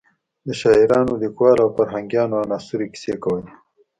د شاعرانو، لیکوالو او فرهنګپالو عناصرو کیسې کولې.